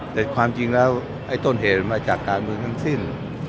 แต่ความจริงแล้วไอ้ต้นเหตุมาจากการเมืองทั้งสิ้น